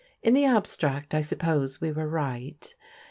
In the abstract, I suppose, we were right.